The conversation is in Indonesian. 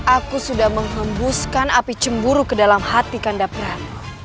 aku sudah menghembuskan api cemburu ke dalam hati kandaprah